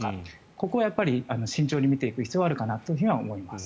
ここはやっぱり慎重に見ていく必要はあるかなと思います。